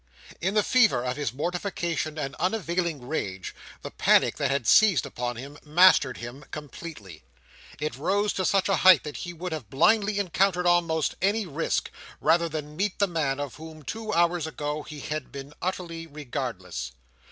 In the fever of his mortification and unavailing rage, the panic that had seized upon him mastered him completely. It rose to such a height that he would have blindly encountered almost any risk, rather than meet the man of whom, two hours ago, he had been utterly regardless.